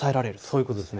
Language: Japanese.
そういうことです。